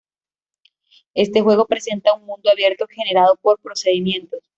Este juego presenta un mundo abierto generado por procedimientos.